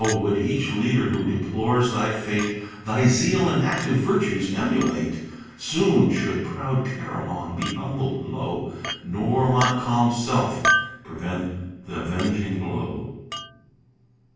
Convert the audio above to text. would each leader who deplores thy fate Thy zeal and active virtues emulate, Soon should proud Carilong be humbled low Nor Montcalm's self, prevent th' avenging blow.